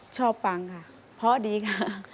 ฟังค่ะเพราะดีค่ะ